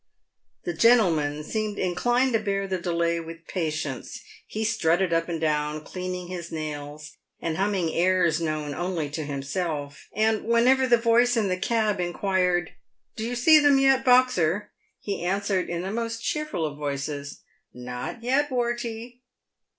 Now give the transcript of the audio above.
The gentleman seemed inclined to bear the delay with patience. He strutted up and down, cleaning his nails, and humming airs known only to himself; and whenever the voice in the cab inquired, " Do you see them yet, Boxer ?" he answered, in the most cheerful of voices, "Not yet, Wortey."